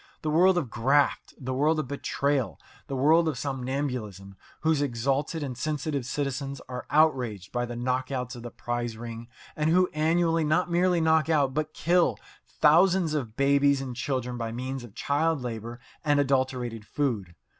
The world of graft! The world of betrayal! The world of somnambulism, whose exalted and sensitive citizens are outraged by the knockouts of the prize ring, and who annually not merely knock out, but kill, thousands of babies and children by means of child labour and adulterated food.